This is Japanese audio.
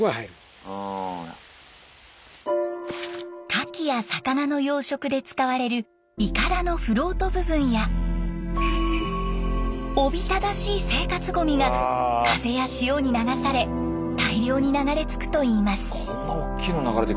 カキや魚の養殖で使われるいかだのフロート部分やおびただしい生活ゴミが風や潮に流され大量に流れつくといいます。